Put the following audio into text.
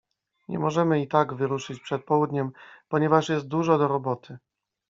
Nie możemy i tak wyruszyć przed południem, ponieważ jest dużo do roboty.